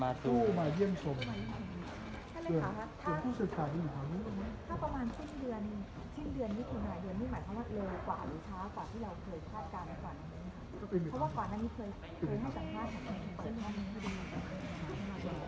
อย่างต้องทำอย่างผู้ตายและสิดีกว่าที่ต้องเราคิดว่าเราสามารถเพิ่มเข้าอยู่ที่สิทธิ์